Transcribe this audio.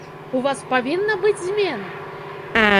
У вас павінна быць змена!